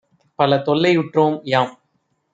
பலதொல் லையுற்றோம் - யாம்